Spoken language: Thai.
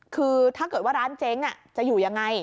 คือถ้าเกิดว่าร้านเจ๊งจะอยู่ยังไง